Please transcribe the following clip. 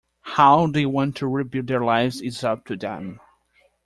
How they want to rebuild their lives is up to them.